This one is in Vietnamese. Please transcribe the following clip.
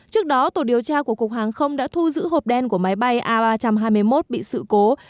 trước đó tổ điều tra của cục hàng không đã thu giữ hộp đen của máy bay a ba trăm hai mươi một bị sự cố